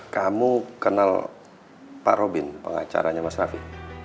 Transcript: kamu kenal pak robin pengacaranya mas rafi